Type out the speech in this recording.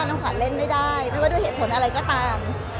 น้องขวัญเล่นไม่ได้ไม่ว่าด้วยเหตุผลอะไรก็ตาม